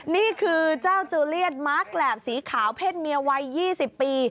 นี่คือเจ้าจูเลียนมาร์คแหลบสีขาวเพศเมียวัย๒๐ปี